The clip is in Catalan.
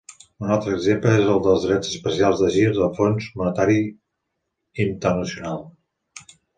Un altre exemple és els Drets especials de gir del Fons Monetari Internacional.